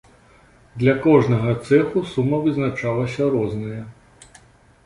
Для кожнага цэху сума вызначалася розная.